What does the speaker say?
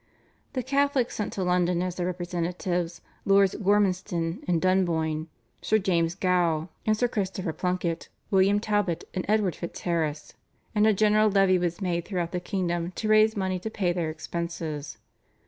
The Catholics sent to London as their representatives, Lords Gormanston and Dunboyne, Sir James Gough and Sir Christopher Plunkett, William Talbot and Edward FitzHarris, and a general levy was made throughout the kingdom to raise money to pay their expenses.